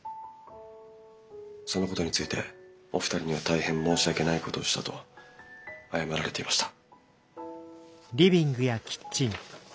そのことについてお二人には大変申し訳ないことをしたと謝られていました。